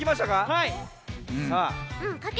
はい。